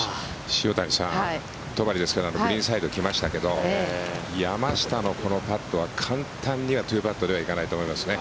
塩谷さん、戸張ですがグリーンサイドに来ましたけど山下のこのパットは簡単には２パットでは行かないと思いますね。